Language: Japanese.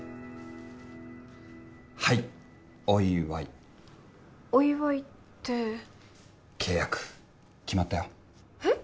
はいお祝いお祝いって契約決まったよえっ？